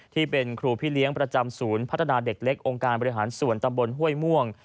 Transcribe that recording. ที่เป็นครูพี่เลี้ยงประจำศูนย์พัฒนาเด็กเล็กองค์การบริหารส่วนตำบลห้วยม่วง